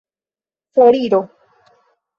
foriro